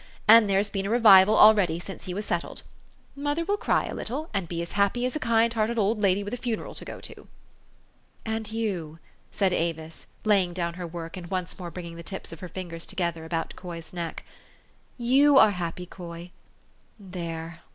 And there's been a revival already since he was settled. Mother will cr} r a little, and be as happy as a kind hearted old lady with a funeral to go to." 4 'And you," said Avis, laying down her work, and once more bringing the tips of her fingers together about Coy's neck, " you are happy, Coy? There.